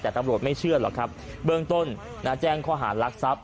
แต่ตำรวจไม่เชื่อหรอกครับเบื้องต้นแจ้งข้อหารลักทรัพย